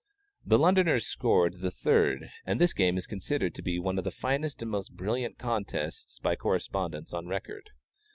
The Londoners scored the third, and this game is considered to be one of the finest and most brilliant contests by correspondence on record.